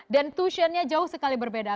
dan tuitionnya jauh sekali berbeda